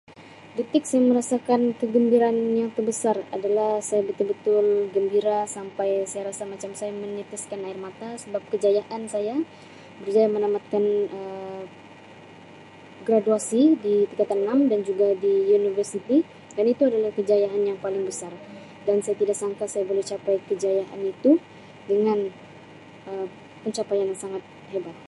Detik saya merasakan kegembiraan yang terbesar adalah saya betul-betul gembira sampai saya rasa macam saya menitiskan air mata sebab kejayaan saya berjaya menamatkan Um graduasi di tingkatan enam dan juga di universiti dan itu adalah kejayaan yang paling besar dan saya tidak sangka saya boleh capai kejayaan itu dengan Um pencapaian yang sangat hebat.